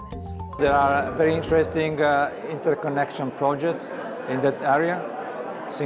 saya pikir ini adalah sesuatu yang sangat dipercayai oleh ministri